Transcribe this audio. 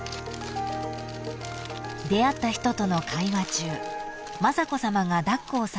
［出会った人との会話中雅子さまが抱っこをされると］